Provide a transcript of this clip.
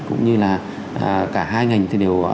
cũng như là cả hai ngành thì đều